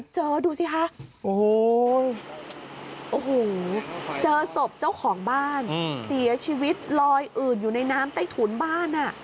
เจอศพเจ้าของบ้านเสียชีวิตลอยอื่นอยู่ในน้ำใต้ถุนบ้าน